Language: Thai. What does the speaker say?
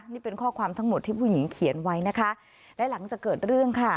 นี่เป็นข้อความทั้งหมดที่ผู้หญิงเขียนไว้นะคะและหลังจากเกิดเรื่องค่ะ